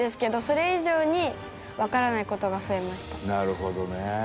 なるほどね。